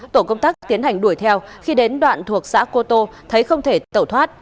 tổ công tác tiến hành đuổi theo khi đến đoạn thuộc xã cô tô thấy không thể tẩu thoát